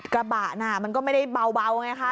กระบะน่ะมันก็ไม่ได้เบาไงคะ